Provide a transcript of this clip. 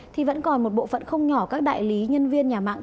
thì vẫn còn một bộ phận không nhỏ các đại lý nhân viên nhà mạng